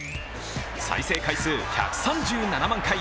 再生回数１３７万回。